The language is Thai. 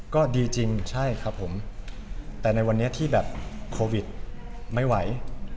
ก็ดีจริงใช่ครับผมแต่ในวันนี้ที่แบบโควิดไม่ไหว